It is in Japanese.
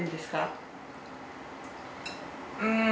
うん。